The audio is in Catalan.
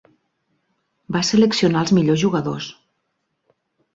Va seleccionar els millors jugadors.